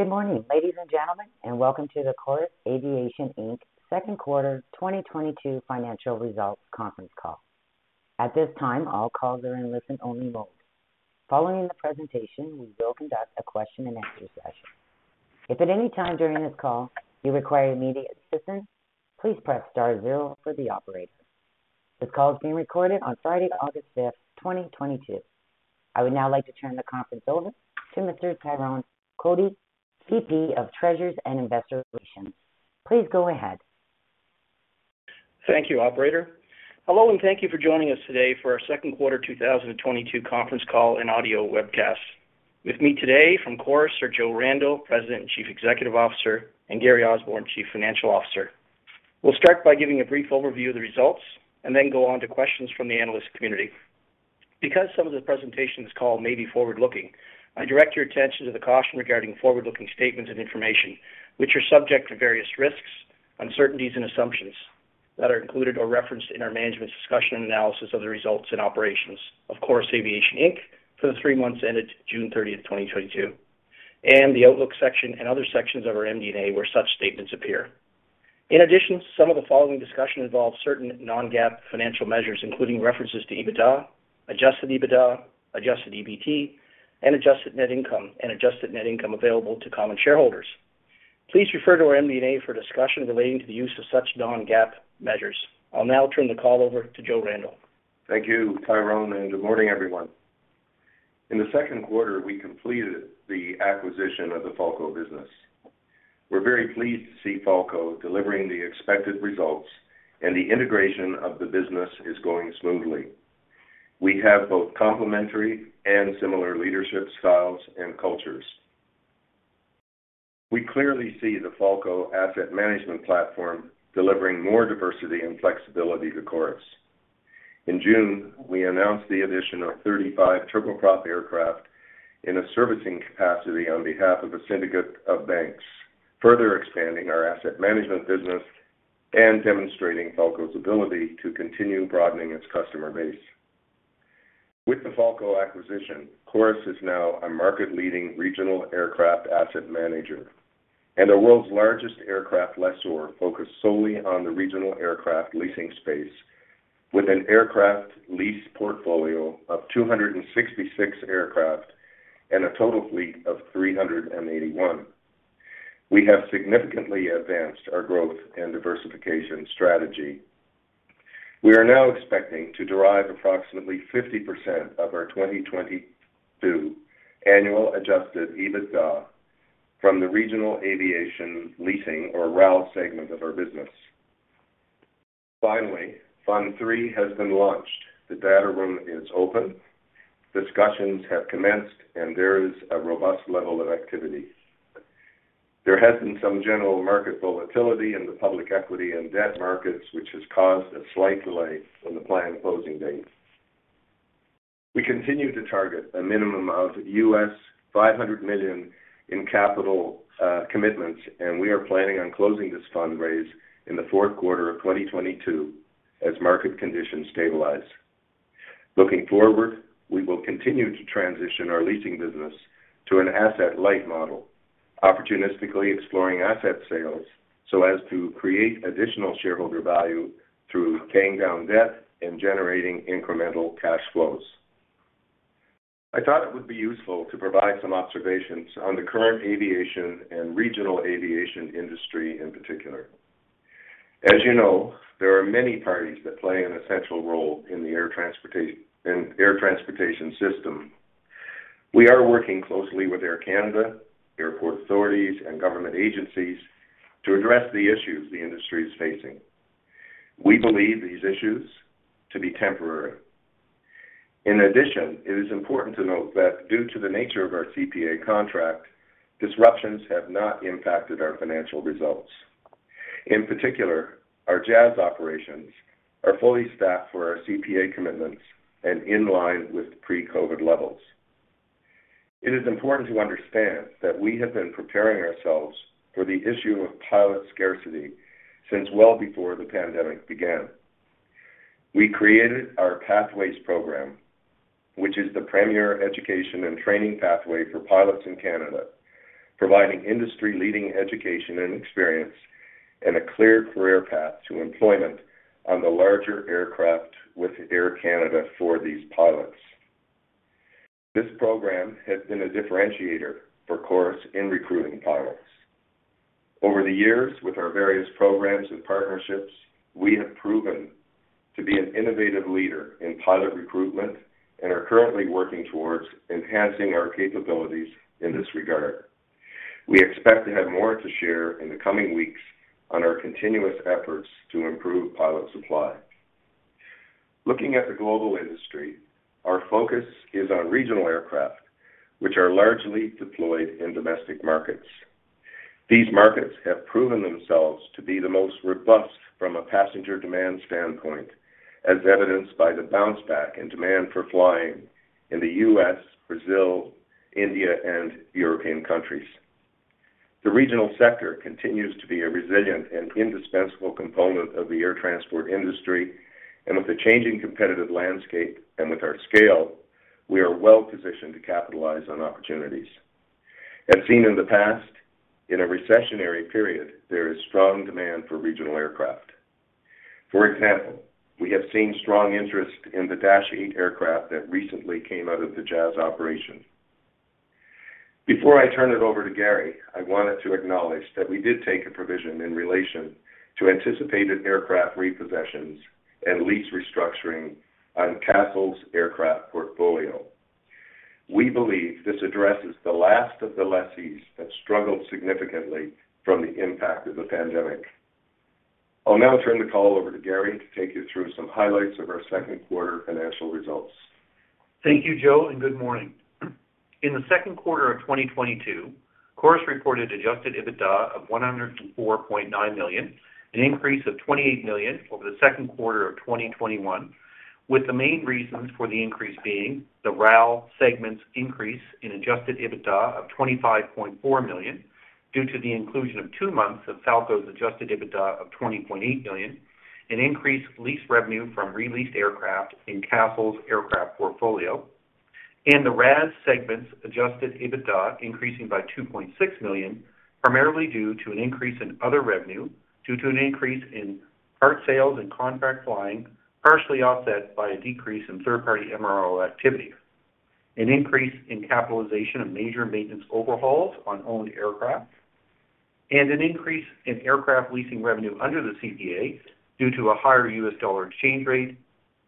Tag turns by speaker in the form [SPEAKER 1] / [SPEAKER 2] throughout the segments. [SPEAKER 1] Good morning, ladies and gentlemen, and welcome to the Chorus Aviation Inc second Quarter 2022 Financial Results Conference Call. At this time, all calls are in listen only mode. Following the presentation, we will conduct a question and answer session. If at any time during this call you require immediate assistance, please press star zero for the operator. This call is being recorded on Friday, August 5th, 2022. I would now like to turn the conference over to Mr. Tyrone Cotie, VP of Treasury and Investor Relations. Please go ahead.
[SPEAKER 2] Thank you, operator. Hello, and thank you for joining us today for our second quarter 2022 conference call and audio webcast. With me today from Chorus are Joseph Randell, President and Chief Executive Officer, and Gary Osborne, Chief Financial Officer. We'll start by giving a brief overview of the results and then go on to questions from the analyst community. Because some of the presentation's call may be forward-looking, I direct your attention to the caution regarding forward-looking statements and information which are subject to various risks, uncertainties and assumptions that are included or referenced in our Management's Discussion and Analysis of the results of operations of Chorus Aviation Inc for the three months ended June 30, 2022, and the outlook section and other sections of our MD&A where such statements appear. In addition, some of the following discussion involves certain non-GAAP financial measures, including references to EBITDA, adjusted EBITDA, adjusted EBT, and adjusted net income and adjusted net income available to common shareholders. Please refer to our MD&A for discussion relating to the use of such non-GAAP measures. I'll now turn the call over to Joseph Randell.
[SPEAKER 3] Thank you, Tyrone, and good morning, everyone. In the second quarter, we completed the acquisition of the Falko business. We're very pleased to see Falko delivering the expected results and the integration of the business is going smoothly. We have both complementary and similar leadership styles and cultures. We clearly see the Falko asset management platform delivering more diversity and flexibility to Chorus. In June, we announced the addition of 35 turboprop aircraft in a servicing capacity on behalf of a syndicate of banks, further expanding our asset management business and demonstrating Falko's ability to continue broadening its customer base. With the Falko acquisition, Chorus is now a market-leading regional aircraft asset manager and the world's largest aircraft lessor focused solely on the regional aircraft leasing space, with an aircraft lease portfolio of 266 aircraft and a total fleet of 381. We have significantly advanced our growth and diversification strategy. We are now expecting to derive approximately 50% of our 2022 annual adjusted EBITDA from the regional aviation leasing or RAL segment of our business. Finally, Fund III has been launched. The data room is open, discussions have commenced, and there is a robust level of activity. There has been some general market volatility in the public equity and debt markets, which has caused a slight delay on the planned closing date. We continue to target a minimum of $500 million in capital commitments, and we are planning on closing this fundraise in the fourth quarter of 2022 as market conditions stabilize. Looking forward, we will continue to transition our leasing business to an asset-light model, opportunistically exploring asset sales so as to create additional shareholder value through paying down debt and generating incremental cash flows. I thought it would be useful to provide some observations on the current aviation and regional aviation industry in particular. As you know, there are many parties that play an essential role in the air transportation system. We are working closely with Air Canada, airport authorities and government agencies to address the issues the industry is facing. We believe these issues to be temporary. In addition, it is important to note that due to the nature of our CPA contract, disruptions have not impacted our financial results. In particular, our Jazz operations are fully staffed for our CPA commitments and in line with pre-COVID levels. It is important to understand that we have been preparing ourselves for the issue of pilot scarcity since well before the pandemic began. We created our Pathways program, which is the premier education and training pathway for pilots in Canada, providing industry leading education and experience and a clear career path to employment on the larger aircraft with Air Canada for these pilots. This program has been a differentiator for Chorus in recruiting pilots. Over the years, with our various programs and partnerships, we have proven to be an innovative leader in pilot recruitment and are currently working towards enhancing our capabilities in this regard. We expect to have more to share in the coming weeks on our continuous efforts to improve pilot supply. Looking at the global industry, our focus is on regional aircraft, which are largely deployed in domestic markets. These markets have proven themselves to be the most robust from a passenger demand standpoint, as evidenced by the bounce back in demand for flying in the U.S., Brazil, India and European countries. The regional sector continues to be a resilient and indispensable component of the air transport industry, and with the changing competitive landscape and with our scale, we are well positioned to capitalize on opportunities. As seen in the past, in a recessionary period, there is strong demand for regional aircraft. For example, we have seen strong interest in the Dash 8 aircraft that recently came out of the Jazz operation. Before I turn it over to Gary, I wanted to acknowledge that we did take a provision in relation to anticipated aircraft repossessions and lease restructuring on Aircastle's aircraft portfolio. We believe this addresses the last of the lessees that struggled significantly from the impact of the pandemic. I'll now turn the call over to Gary to take you through some highlights of our second quarter financial results.
[SPEAKER 4] Thank you, Joe, and good morning. In the second quarter of 2022, Chorus reported adjusted EBITDA of 104.9 million, an increase of 28 million over the second quarter of 2021, with the main reasons for the increase being the RAL segment's increase in adjusted EBITDA of 25.4 million due to the inclusion of two months of Falko's adjusted EBITDA of 20.8 million, an increased lease revenue from re-leased aircraft in Aircastle's aircraft portfolio, and the RAS segment's adjusted EBITDA increasing by 2.6 million, primarily due to an increase in other revenue due to an increase in part sales and contract flying, partially offset by a decrease in third-party MRO activity, an increase in capitalization of major maintenance overhauls on owned aircraft, and an increase in aircraft leasing revenue under the CPA due to a higher U.S. dollar exchange rate,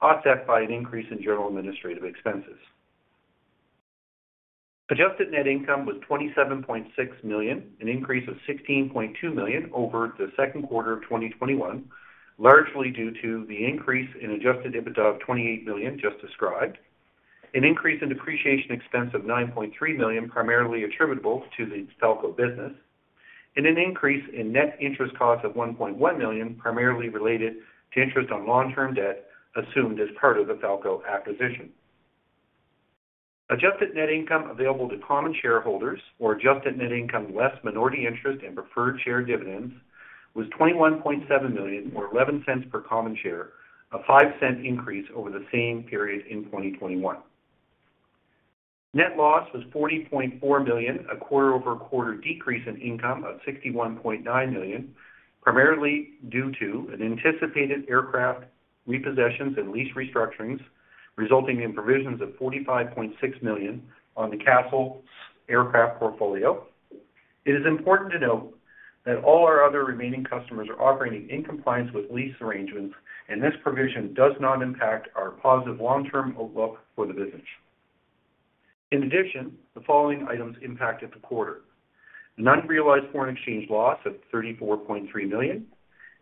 [SPEAKER 4] offset by an increase in general administrative expenses. Adjusted Net Income was 27.6 million, an increase of 16.2 million over the second quarter of 2021, largely due to the increase in Adjusted EBITDA of 28 million just described, an increase in depreciation expense of 9.3 million primarily attributable to the Falko business, and an increase in net interest cost of 1.1 million primarily related to interest on long-term debt assumed as part of the Falko acquisition. Adjusted Net Income available to common shareholders or Adjusted Net Income less minority interest and preferred share dividends was 21.7 million or 0.11 per common share, a 0.05 increase over the same period in 2021. Net loss was 40.4 million, a quarter-over-quarter decrease in income of 61.9 million, primarily due to an anticipated aircraft repossessions and lease restructurings, resulting in provisions of 45.6 million on the Aircastle aircraft portfolio. It is important to note that all our other remaining customers are operating in compliance with lease arrangements, and this provision does not impact our positive long-term outlook for the business. In addition, the following items impacted the quarter, an unrealized foreign exchange loss of 34.3 million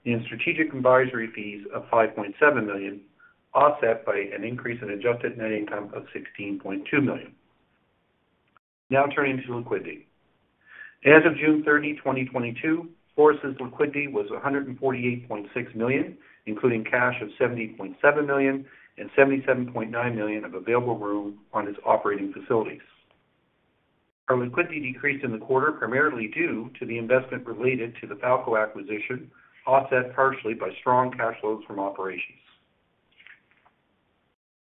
[SPEAKER 4] and strategic advisory fees of 5.7 million, offset by an increase in adjusted net income of 16.2 million. Now turning to liquidity. As of June 30, 2022, Chorus's liquidity was 148.6 million, including cash of 70.7 million and 77.9 million of available room on its operating facilities. Our liquidity decreased in the quarter primarily due to the investment related to the Falko acquisition, offset partially by strong cash flows from operations.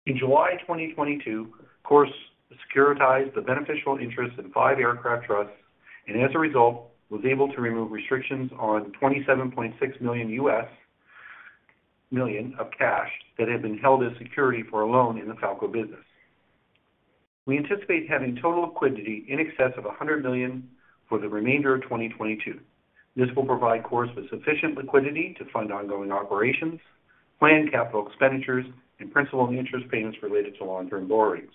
[SPEAKER 4] In July 2022, Chorus securitized the beneficial interest in five aircraft trusts and as a result, was able to remove restrictions on $27.6 million of cash that had been held as security for a loan in the Falko business. We anticipate having total liquidity in excess of 100 million for the remainder of 2022. This will provide Chorus with sufficient liquidity to fund ongoing operations, planned capital expenditures, and principal and interest payments related to long-term borrowings.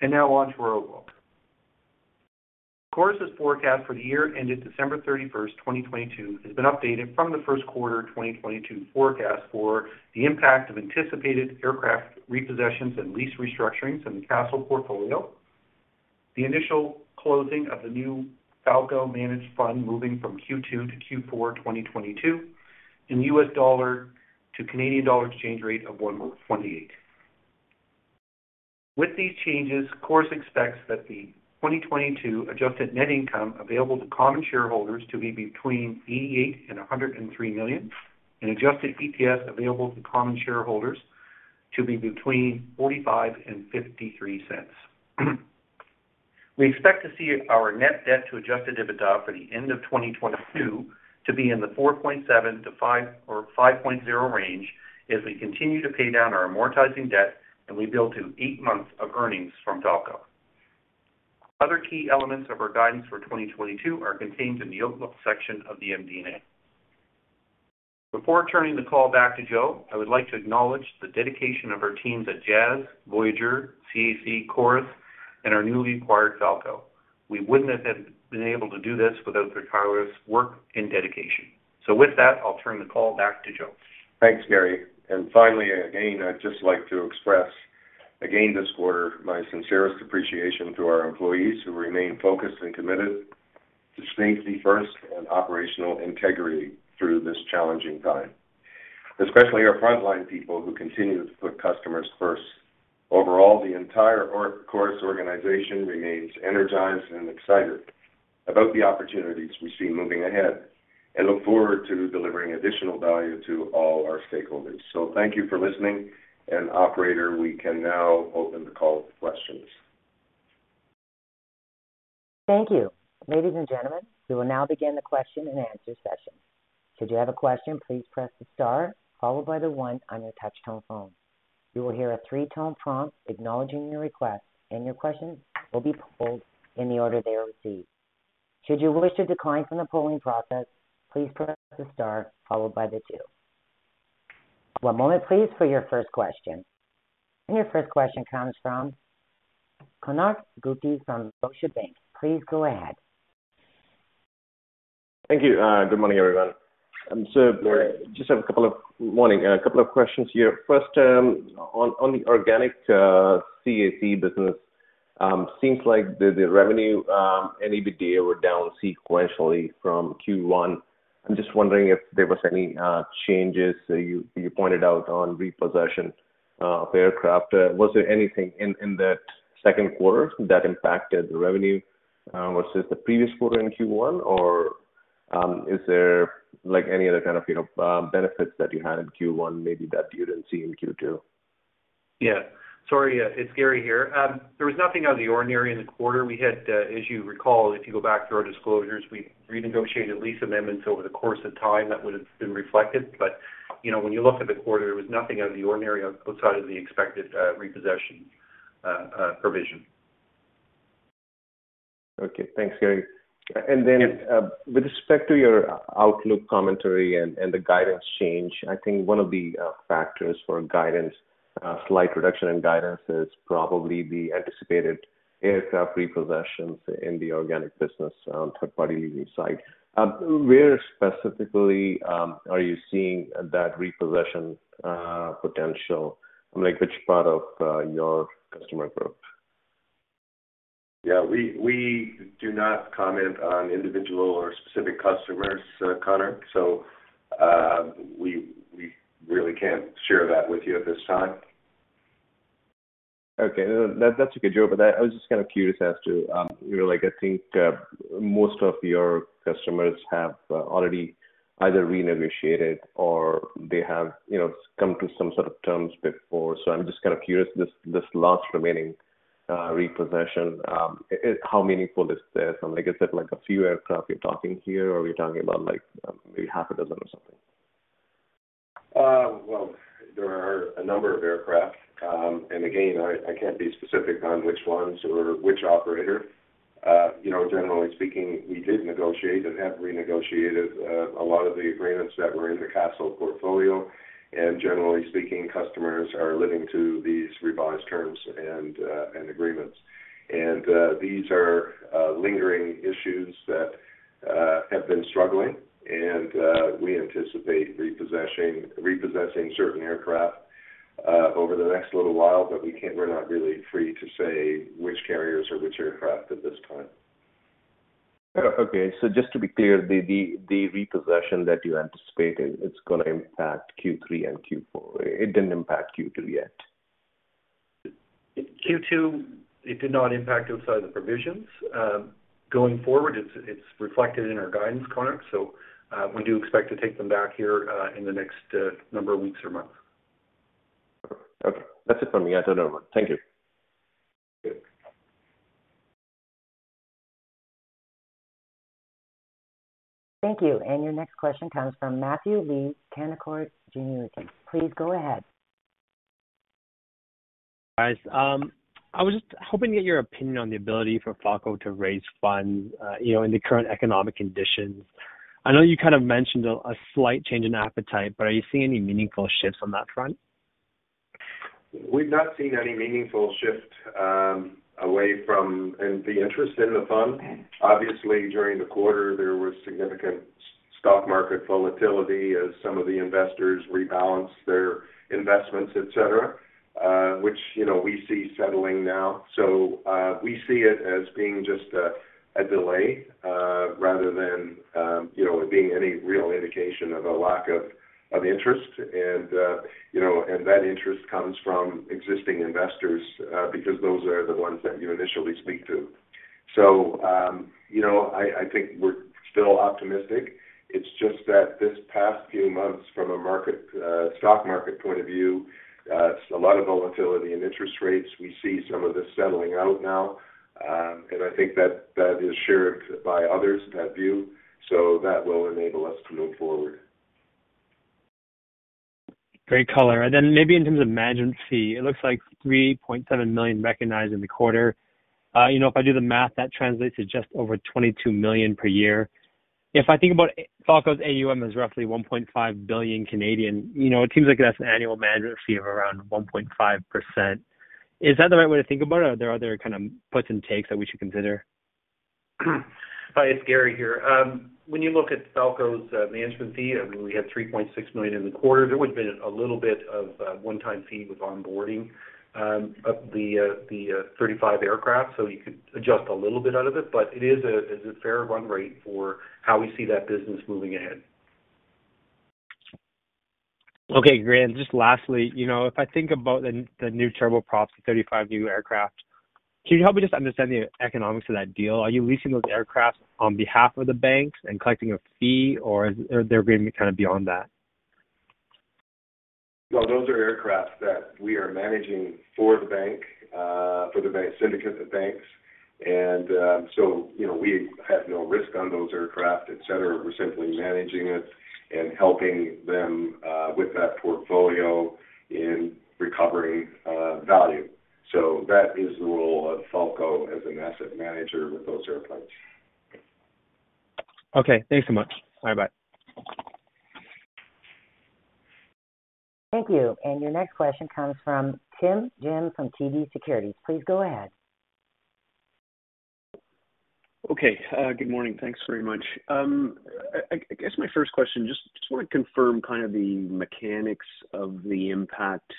[SPEAKER 4] Now on to our outlook. Chorus's forecast for the year ended December 31st, 2022 has been updated from the first quarter 2022 forecast for the impact of anticipated aircraft repossessions and lease restructurings in the Aircastle portfolio, the initial closing of the new Falko Managed Fund moving from Q2 to Q4 2022, and U.S. dollar to Canadian dollar exchange rate of 1.28. With these changes, Chorus expects that the 2022 adjusted net income available to common shareholders to be between 88 million and 103 million, and adjusted EPS available to common shareholders to be between 0.45 and 0.53. We expect to see our net debt to adjusted EBITDA for the end of 2022 to be in the 4.7%-5.0% range as we continue to pay down our amortizing debt and we build to eight months of earnings from Falko. Other key elements of our guidance for 2022 are contained in the Outlook section of the MD&A. Before turning the call back to Joe, I would like to acknowledge the dedication of our teams at Jazz, Voyageur, CAC, Chorus, and our newly acquired Falko. We wouldn't have had been able to do this without their tireless work and dedication. With that, I'll turn the call back to Joe.
[SPEAKER 3] Thanks, Gary, and finally, again, I'd just like to express again this quarter my sincerest appreciation to our employees who remain focused and committed to safety first and operational integrity through this challenging time. Especially our frontline people who continue to put customers first. Overall, the entire Chorus organization remains energized and excited about the opportunities we see moving ahead, and look forward to delivering additional value to all our stakeholders. Thank you for listening, and operator, we can now open the call for questions.
[SPEAKER 1] Thank you. Ladies and gentlemen, we will now begin the question-and-answer session. Should you have a question, please press the star followed by the one on your touchtone phone. You will hear a three-tone prompt acknowledging your request, and your question will be polled in the order they are received. Should you wish to decline from the polling process, please press the star followed by the two. One moment please for your first question. Your first question comes from Konark Gupta from Scotiabank. Please go ahead.
[SPEAKER 5] Thank you. Good morning, everyone. A couple of questions here. First, on the organic CAC business, seems like the revenue and EBITDA were down sequentially from Q1. I'm just wondering if there was any changes you pointed out on repossession of aircraft. Was there anything in that second quarter that impacted the revenue versus the previous quarter in Q1? Or, is there like any other kind of, you know, benefits that you had in Q1 maybe that you didn't see in Q2?
[SPEAKER 4] Yeah. Sorry, it's Gary here. There was nothing out of the ordinary in the quarter. We had, as you recall, if you go back through our disclosures, we renegotiated lease amendments over the course of time that would have been reflected. You know, when you look at the quarter, there was nothing out of the ordinary outside of the expected repossession provision.
[SPEAKER 5] Okay, thanks, Gary.
[SPEAKER 4] Yeah.
[SPEAKER 5] With respect to your outlook commentary and the guidance change, I think one of the factors for guidance, slight reduction in guidance is probably the anticipated aircraft repossessions in the organic business, third-party leasing side. Where specifically are you seeing that repossession potential? Like, which part of your customer group?
[SPEAKER 3] Yeah, we do not comment on individual or specific customers, Konark. We really can't share that with you at this time.
[SPEAKER 5] Okay. No, that's a good job. I was just kinda curious as to, you know, like I think most of your customers have already either renegotiated or they have, you know, come to some sort of terms before. I'm just kind of curious this last remaining repossession how meaningful is this? Like I said, like a few aircraft you're talking here, or are we talking about like maybe half a dozen or something?
[SPEAKER 3] Well, there are a number of aircraft. Again, I can't be specific on which ones or which operator. You know, generally speaking, we did negotiate and have renegotiated a lot of the agreements that were in the Aircastle portfolio. Generally speaking, customers are living up to these revised terms and agreements. These are lingering issues that have been struggling and we anticipate repossessing certain aircraft over the next little while, but we're not really free to say which carriers or which aircraft at this time.
[SPEAKER 5] Okay. Just to be clear, the repossession that you anticipated, it's gonna impact Q3 and Q4. It didn't impact Q2 yet.
[SPEAKER 4] Q2, it did not impact outside the provisions. Going forward, it's reflected in our guidance, Konark. We do expect to take them back here, in the next number of weeks or months.
[SPEAKER 5] Okay. That's it for me. I don't know. Thank you.
[SPEAKER 3] Thank you.
[SPEAKER 1] Thank you. Your next question comes from Matthew Lee, Canaccord Genuity. Please go ahead.
[SPEAKER 6] Guys, I was just hoping to get your opinion on the ability for Falko to raise funds, you know, in the current economic conditions. I know you kind of mentioned a slight change in appetite, but are you seeing any meaningful shifts on that front?
[SPEAKER 3] We've not seen any meaningful shift away from and the interest in the fund. Obviously, during the quarter, there was significant stock market volatility as some of the investors rebalanced their investments, et cetera, which, you know, we see settling now. We see it as being just a delay rather than, you know, it being any real indication of a lack of interest. You know, and that interest comes from existing investors because those are the ones that you initially speak to. You know, I think we're still optimistic. It's just that this past few months from a stock market point of view, it's a lot of volatility and interest rates. We see some of this settling out now. I think that that is shared by others, that view. That will enable us to move forward.
[SPEAKER 6] Great color. Maybe in terms of management fee, it looks like 3.7 million recognized in the quarter. You know, if I do the math, that translates to just over 22 million per year. If I think about Falko's AUM is roughly 1.5 billion Canadian, you know, it seems like that's an annual management fee of around 1.5%. Is that the right way to think about it? Are there other kind of puts and takes that we should consider?
[SPEAKER 4] Hi, it's Gary here. When you look at Falko's management fee, I mean, we had 3.6 million in the quarter. There would have been a little bit of one-time fee with onboarding of the 35 aircraft. You could adjust a little bit out of it. It is a fair run rate for how we see that business moving ahead.
[SPEAKER 6] Okay, great. Just lastly, you know, if I think about the new turboprops, the 35 new aircraft, can you help me just understand the economics of that deal? Are you leasing those aircraft on behalf of the banks and collecting a fee or are they being kind of beyond that?
[SPEAKER 3] Well, those are aircraft that we are managing for the bank, for the bank syndicate, the banks. You know, we have no risk on those aircraft, et cetera. We're simply managing it and helping them with that portfolio in recovering value. That is the role of Falko as an asset manager with those airplanes.
[SPEAKER 6] Okay. Thanks so much. Bye-bye.
[SPEAKER 1] Thank you. Your next question comes from Tim James from TD Securities. Please go ahead.
[SPEAKER 7] Okay. Good morning. Thanks very much. I guess my first question, just wanna confirm kind of the mechanics of the impact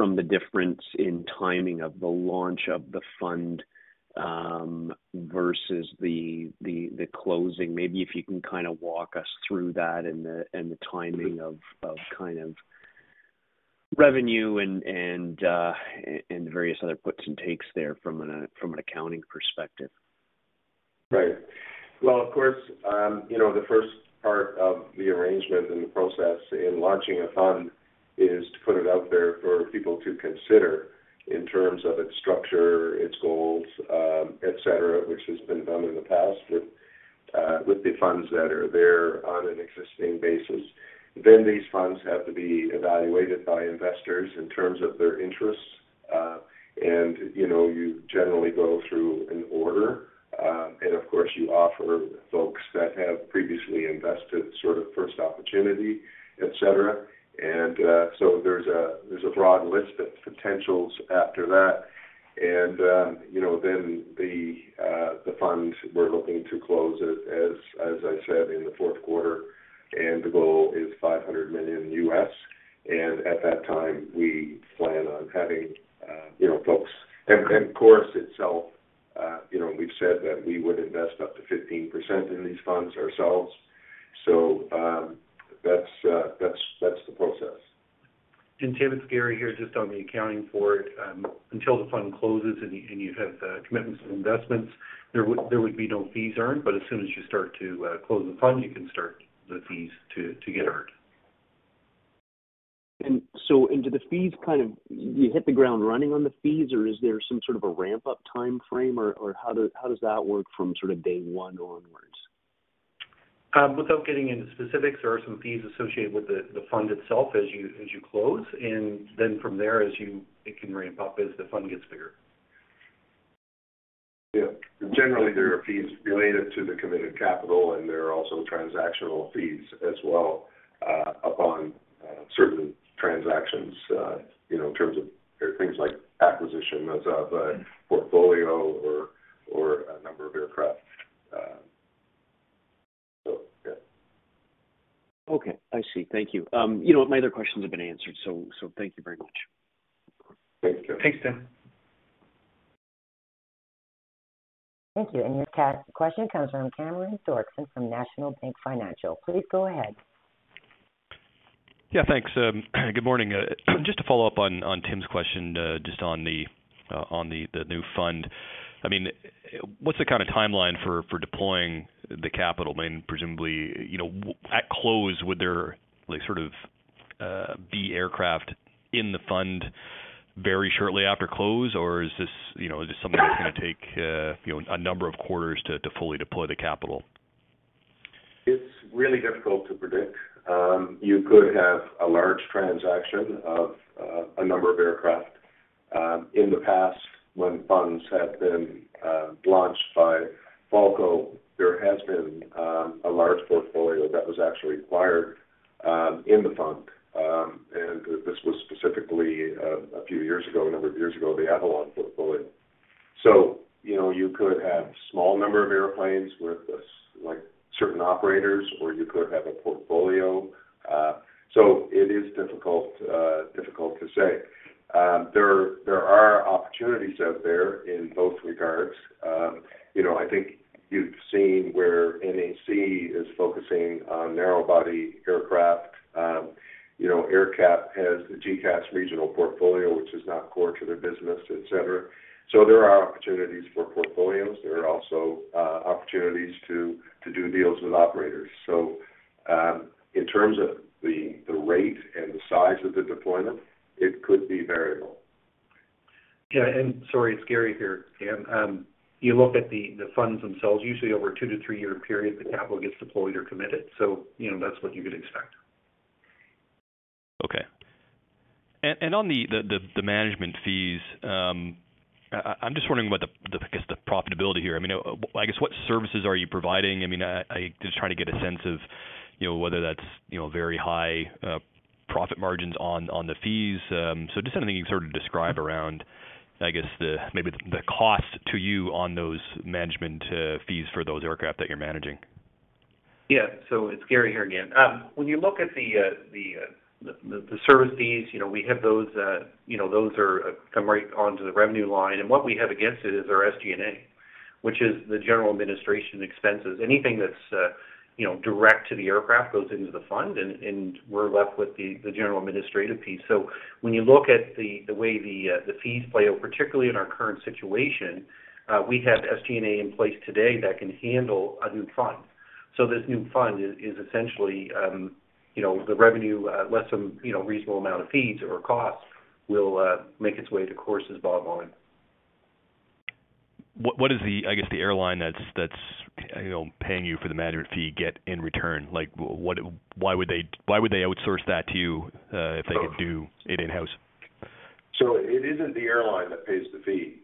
[SPEAKER 7] from the difference in timing of the launch of the fund versus the closing. Maybe if you can kinda walk us through that and the timing of kind of revenue and various other puts and takes there from an accounting perspective.
[SPEAKER 3] Right. Well, of course, you know, the first part of the arrangement and the process in launching a fund is to put it out there for people to consider in terms of its structure, its goals, et cetera, which has been done in the past with the funds that are there on an existing basis. These funds have to be evaluated by investors in terms of their interests. You know, you generally go through an order. Of course, you offer folks that have previously invested sort of first opportunity, et cetera. There's a broad list of potentials after that. You know, the funds we're looking to close as I said, in the fourth quarter, and the goal is $500 million. At that time, we plan on having, you know, folks. Chorus itself, you know, we've said that we would invest up to 15% in these funds ourselves. That's the process.
[SPEAKER 4] Tim, it's Gary here just on the accounting for it. Until the fund closes and you have commitments and investments, there would be no fees earned, but as soon as you start to close the fund, you can start the fees to get earned.
[SPEAKER 7] Do you hit the ground running on the fees, or is there some sort of a ramp-up timeframe, or how does that work from sort of day one onwards?
[SPEAKER 4] Without getting into specifics, there are some fees associated with the fund itself as you close. Then from there, it can ramp up as the fund gets bigger.
[SPEAKER 3] Yeah. Generally, there are fees related to the committed capital, and there are also transactional fees as well, upon certain transactions, you know, in terms of things like acquisition of a portfolio or a number of aircraft.
[SPEAKER 7] Okay. I see. Thank you. You know what? My other questions have been answered, so thank you very much.
[SPEAKER 3] Thanks, Tim.
[SPEAKER 4] Thanks, Tim.
[SPEAKER 1] Thank you. Your question comes from Cameron Doerksen from National Bank Financial. Please go ahead.
[SPEAKER 8] Yeah, thanks. Good morning. Just to follow up on Tim's question, just on the new fund. I mean, what's the kinda timeline for deploying the capital? I mean, presumably, you know, at close, would there like sort of be aircraft in the fund very shortly after close, or is this, you know, is this something that's gonna take, you know, a number of quarters to fully deploy the capital?
[SPEAKER 3] It's really difficult to predict. You could have a large transaction of a number of aircraft. In the past, when funds have been launched by Falko, there has been a large portfolio that was actually acquired in the fund, and this was specifically a few years ago, a number of years ago, the Avolon portfolio. You know, you could have small number of airplanes with, like, certain operators, or you could have a portfolio. It is difficult to say. There are opportunities out there in both regards. You know, I think you've seen where NAC is focusing on narrow body aircraft. You know, AerCap has the GECAS regional portfolio, which is not core to their business, et cetera. There are opportunities for portfolios. There are also opportunities to do deals with operators. In terms of the rate and the size of the deployment, it could be variable.
[SPEAKER 4] Yeah, sorry, it's Gary here. You look at the funds themselves, usually over a two-three-year period, the capital gets deployed or committed. You know, that's what you could expect.
[SPEAKER 8] Okay, and on the management fees, I'm just wondering what the, I guess, the profitability here. I mean, I guess what services are you providing? I mean, I'm just trying to get a sense of, you know, whether that's, you know, very high profit margins on the fees. Just anything you can sort of describe around, I guess, maybe the cost to you on those management fees for those aircraft that you're managing.
[SPEAKER 4] Yeah. It's Gary here again. When you look at the service fees, you know, we have those, you know, those come right onto the revenue line. What we have against it is our SG&A, which is the general and administrative expenses. Anything that's you know, direct to the aircraft goes into the fund and we're left with the general and administrative piece. When you look at the way the fees play out, particularly in our current situation, we have SG&A in place today that can handle a new fund. This new fund is essentially you know, the revenue less some you know, reasonable amount of fees or costs will make its way to Chorus's bottom line.
[SPEAKER 8] What is the, I guess, the airline that's you know paying you for the management fee get in return? Like, why would they outsource that to you if they could do it in-house?
[SPEAKER 3] It isn't the airline that pays the fee.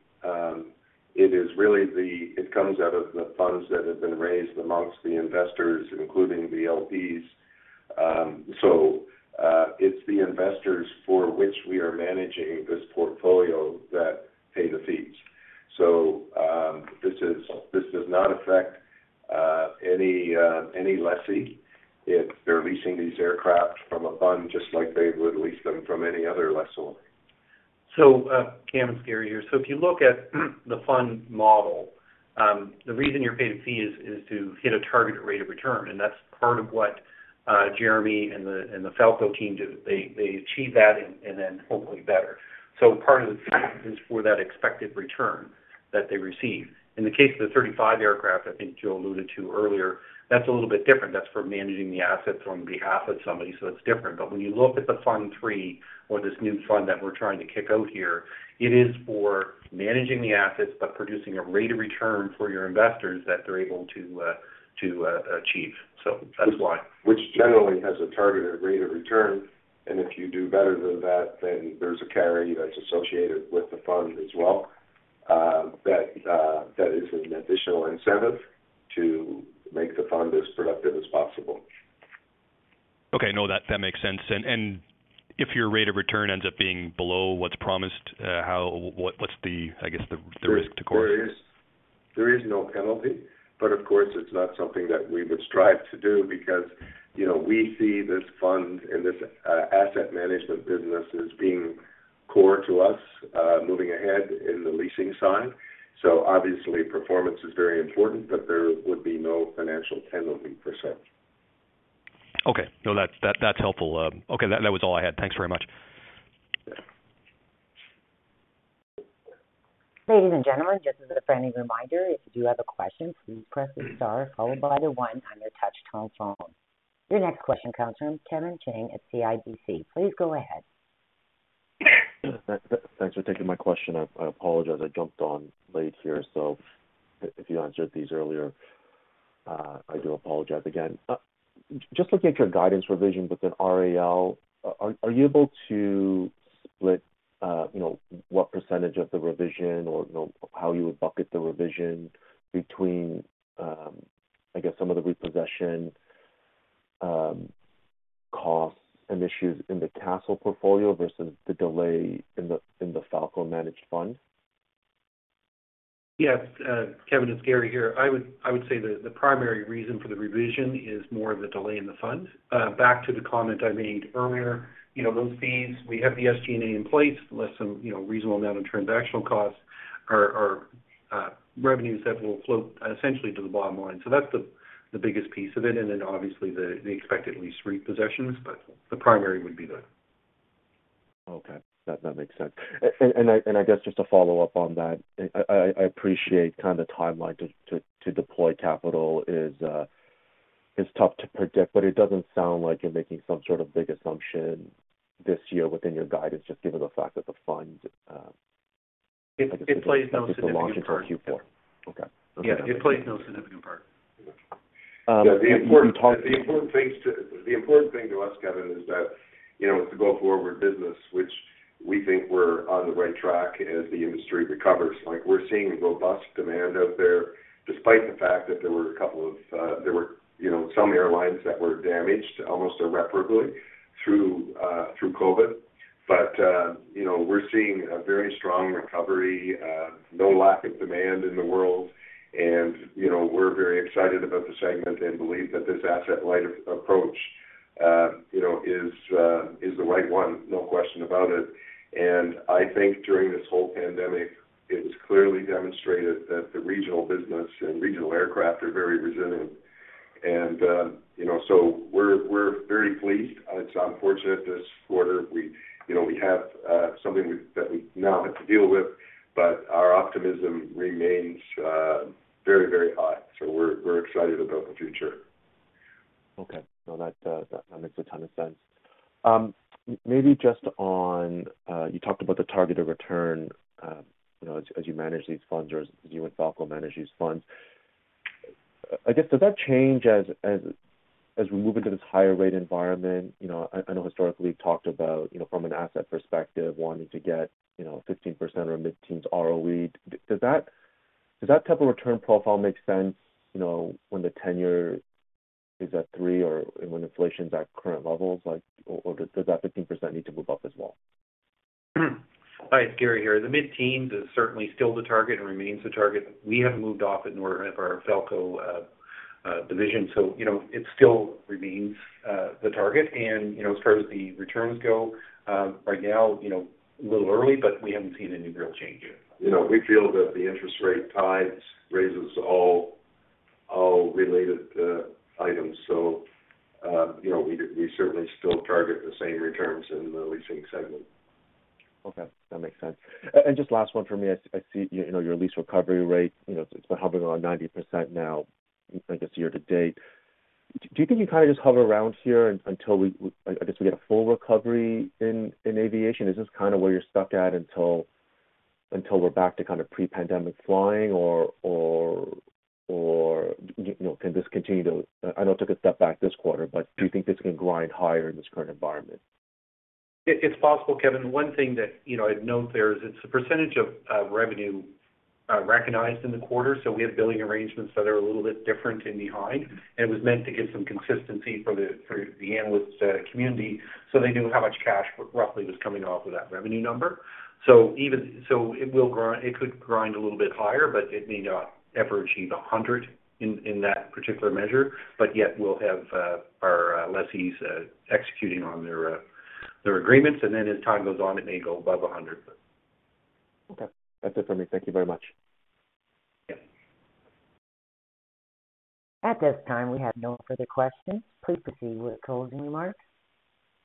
[SPEAKER 3] It comes out of the funds that have been raised amongst the investors, including the LPs. It's the investors for which we are managing this portfolio that pay the fees. This does not affect any lessee if they're leasing these aircraft from a fund, just like they would lease them from any other lessor.
[SPEAKER 4] Cameron, it's Gary here. If you look at the fund model, the reason you're paying a fee is to hit a targeted rate of return, and that's part of what Jeremy and the Falko team do. They achieve that and then hopefully better. Part of the fee is for that expected return that they receive. In the case of the 35 aircraft I think Joe alluded to earlier, that's a little bit different. That's for managing the assets on behalf of somebody, so it's different. When you look at the Fund III or this new fund that we're trying to kick off here, it is for managing the assets, but producing a rate of return for your investors that they're able to achieve. That's why.
[SPEAKER 3] Which generally has a targeted rate of return. If you do better than that, then there's a carry that's associated with the fund as well, that is an additional incentive to make the fund as productive as possible.
[SPEAKER 8] Okay. No, that makes sense. If your rate of return ends up being below what's promised, what's the, I guess, the risk to Chorus?
[SPEAKER 3] There is no penalty, but of course, it's not something that we would strive to do because, you know, we see this fund and this asset management business as being core to us moving ahead in the leasing side. So obviously, performance is very important, but there would be no financial penalty per se.
[SPEAKER 8] Okay. No, that's helpful. Okay, that was all I had. Thanks very much.
[SPEAKER 1] Ladies and gentlemen, just as a friendly reminder, if you do have a question, please press star followed by the one on your touch-tone phone. Your next question comes from Kevin Chiang at CIBC. Please go ahead.
[SPEAKER 9] Thanks for taking my question. I apologize. I jumped on late here, so if you answered these earlier, I do apologize again. Just looking at your guidance revision within RAL, are you able to split, you know, what percentage of the revision or, you know, how you would bucket the revision between, I guess, some of the repossession costs and issues in the Aircastle portfolio versus the delay in the Falko Managed Fund?
[SPEAKER 4] Yes. Kevin, it's Gary here. I would say the primary reason for the revision is more of a delay in the fund. Back to the comment I made earlier, you know, those fees, we have the SG&A in place, less some, you know, reasonable amount of transactional costs are revenues that will flow essentially to the bottom line. So that's the biggest piece of it, and then obviously the expected lease repossessions, but the primary would be that.
[SPEAKER 9] Okay. That makes sense. I guess just to follow up on that, I appreciate kind of the timeline to deploy capital is tough to predict, but it doesn't sound like you're making some sort of big assumption this year within your guidance, just given the fact that the fund.
[SPEAKER 4] It plays no significant part.
[SPEAKER 9] I guess, is just launching for Q4. Okay.
[SPEAKER 4] Yeah. It plays no significant part.
[SPEAKER 9] Okay. You talked-
[SPEAKER 3] The important thing to us, Kevin, is that, you know, with the go-forward business, which we think we're on the right track as the industry recovers, like we're seeing robust demand out there despite the fact that there were a couple of, you know, some airlines that were damaged almost irreparably through COVID. You know, we're seeing a very strong recovery, no lack of demand in the world. You know, we're very excited about the segment and believe that this asset-light approach, you know, is the right one, no question about it. I think during this whole pandemic, it was clearly demonstrated that the regional business and regional aircraft are very resilient. You know, so we're very pleased. It's unfortunate this quarter, we, you know, have something that we now have to deal with, but our optimism remains very, very high. We're excited about the future.
[SPEAKER 9] Okay. No, that makes a ton of sense. Maybe just on, you talked about the targeted return, you know, as you manage these funds or as you and Falko manage these funds. I guess, does that change as we move into this higher rate environment? You know, I know historically you've talked about, you know, from an asset perspective, wanting to get, you know, 15% or mid-teens ROE. Does that type of return profile make sense, you know, when the ten-year is at 3 or when inflation's at current levels? Or does that 15% need to move up as well?
[SPEAKER 4] Hi, it's Gary here. The mid-teens is certainly still the target and remains the target. We haven't moved off it nor have our Falko division. You know, it still remains the target. You know, as far as the returns go, right now, you know, a little early, but we haven't seen any real change.
[SPEAKER 3] You know, we feel that the interest rate tide raises all related items. We certainly still target the same returns in the leasing segment.
[SPEAKER 9] Okay. That makes sense. Just last one for me. I see, you know, your lease recovery rate, you know, it's been hovering around 90% now, I guess year to date. Do you think you kind of just hover around here until we, I guess, we get a full recovery in aviation? Is this kind of where you're stuck at until we're back to kind of pre-pandemic flying or, you know, can this continue to. I know it took a step back this quarter, but do you think this can grind higher in this current environment?
[SPEAKER 4] It's possible, Kevin. One thing that you know I'd note there is it's a percentage of revenue recognized in the quarter, so we have billing arrangements that are a little bit different in the hide, and it was meant to give some consistency for the analyst community, so they knew how much cash roughly was coming off of that revenue number. It will grind, it could grind a little bit higher, but it may not ever achieve 100% in that particular measure. Yet we'll have our lessees executing on their agreements. As time goes on, it may go above 100%.
[SPEAKER 9] Okay. That's it for me. Thank you very much.
[SPEAKER 4] Yep.
[SPEAKER 1] At this time, we have no further questions. Please proceed with closing remarks.